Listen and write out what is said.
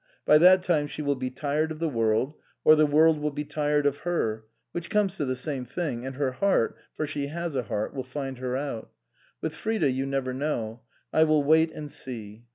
By that time she will be tired of the world, or the world will be tired of her, which comes to the same thing, and her heart (for she has a heart) will find her out. With Frida you never know. I will wait and see."